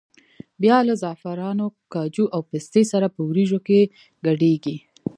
بیا له زعفرانو، کاجو او پستې سره په وریجو کې ګډېږي.